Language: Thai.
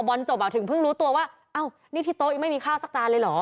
จบอ่ะถึงเพิ่งรู้ตัวว่าอ้าวนี่ที่โต๊ะยังไม่มีข้าวสักจานเลยเหรอ